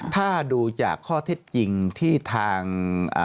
ถ้าดูจากข้อเท็จจริงที่ทาง